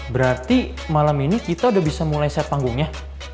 berarti malam ini kita udah bisa mulai set panggungnya